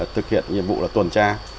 thực hiện nhiệm vụ là tuần tra